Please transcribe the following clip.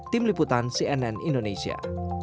tim liputan cnn indonesia